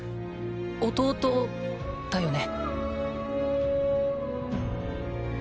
弟だよね？